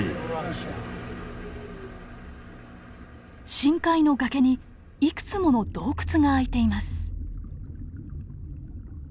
深海の崖にいくつもの洞窟があいています。